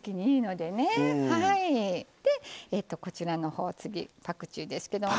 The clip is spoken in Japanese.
でこちらの方次パクチーですけども。